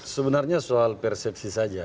sebenarnya soal persepsi saja